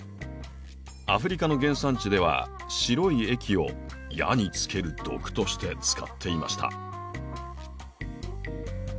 アフリカの原産地では白い液を矢につける毒として使っていました。